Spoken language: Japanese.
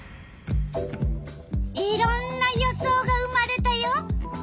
いろんな予想が生まれたよ。